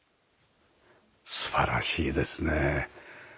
素晴らしいですね。